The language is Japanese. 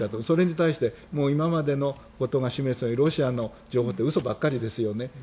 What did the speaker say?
それに対して今までのことが示すようにロシアの情報って嘘ばかりですよね。